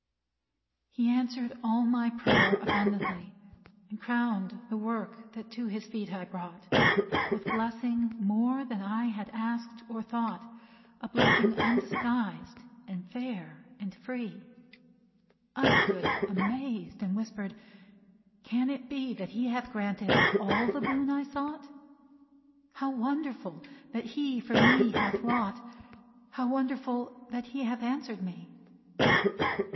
He answered all my prayer abundantly, And crowned the work that to his feet I brought, With blessing more than I had asked or thought, A blessing undisguised, and fair, and free. I stood amazed, and whispered, "Can it be That he hath granted all the boon I sought? How wonderful that he for me hath wrought! How wonderful that he hath answered me!"